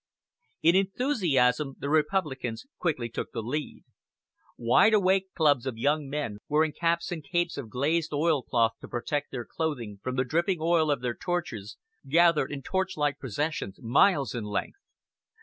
In enthusiasm the Republicans quickly took the lead. "Wide Awake" clubs of young men, wearing caps and capes of glazed oilcloth to protect their clothing from the dripping oil of their torches, gathered in torchlight processions miles in length.